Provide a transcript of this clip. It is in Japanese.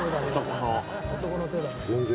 全然。